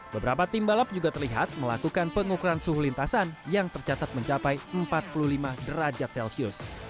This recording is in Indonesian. beberapa tim balap juga terlihat melakukan pengukuran suhu lintasan yang tercatat mencapai empat puluh lima derajat celcius